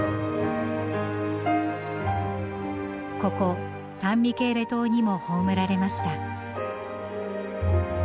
ここサン・ミケーレ島にも葬られました。